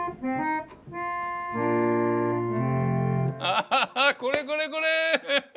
アハハこれこれこれ！